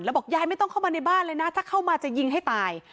บอกยายไม่ต้องเข้ามาในบ้านเลยนะถ้าเข้ามาจะยิงให้ตาย